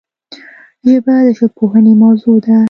ژبه د ژبپوهنې موضوع ده